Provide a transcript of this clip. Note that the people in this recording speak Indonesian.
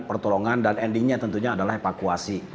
pertolongan dan endingnya tentunya adalah evakuasi